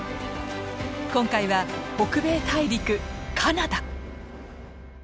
今回は北米大陸カナダ！